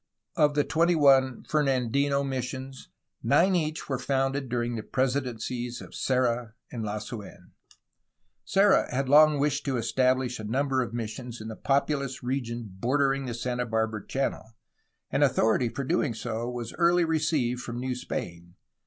Of the twenty one Fernandino missions nine each were founded during the presidencies of Serra and Lasu^n. Serra had long wished to estabhsh a number of missions in the populous region bordering the Santa Barbara Channel, and authority for so doing was early received from New Spain.